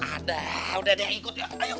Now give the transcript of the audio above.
ada udah ada yang ikut ayo